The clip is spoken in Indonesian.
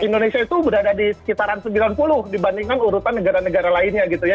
indonesia itu berada di sekitaran sembilan puluh dibandingkan urutan negara negara lainnya gitu ya